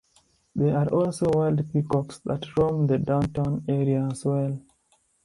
There are also wild peacocks that roam the downtown area as well.